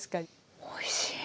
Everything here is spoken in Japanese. おいしい。